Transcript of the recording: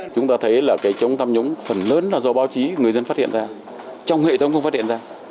chúng ta thấy là cái chống tham nhũng phần lớn là do báo chí người dân phát hiện ra trong hệ thống không phát hiện ra